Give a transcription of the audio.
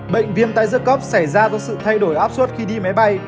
bệnh viêm tai dữa cấp xảy ra do sự thay đổi áp suất khi đi máy bay